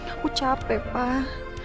aku capek pak